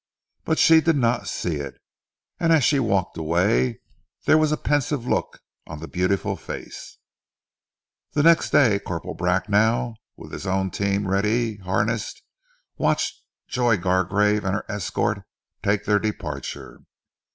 But she did not see it, and as she walked away there was a pensive look on the beautiful face. The next day Corporal Bracknell, with his own team ready harnessed, watched Joy Gargrave and her escort take their departure.